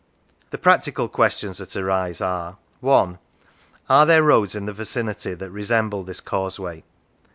The practical questions that arise are: (i) Are there roads in the vicinity that resemble this causeway